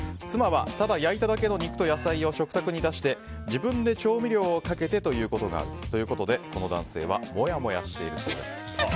妻は、ただ焼いただけの肉と野菜を食卓に出して自分で調味料をかけてと言うことがあるということでこの男性はモヤモヤしているそうです。